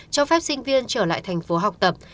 cho phép sinh viên trở lại thành phố học tập